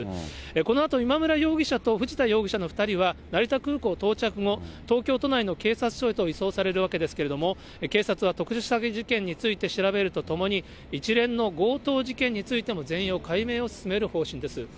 このあと今村容疑者と藤田容疑者の２人は、成田空港到着後、東京都内の警察署へと移送されるわけですけれども、警察は特殊詐欺事件について調べるとともに、一連の強盗事件についても、全容解明を進める方針です。